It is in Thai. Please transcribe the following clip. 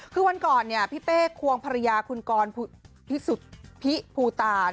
คือวันก่อนพี่เป้ควงภรรยาคุณกรพิสุทธิภูตา